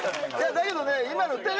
だけどね。